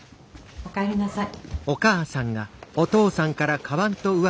お帰りなさい。